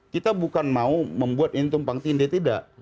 kita bukan mau membuat intum pangti indi tidak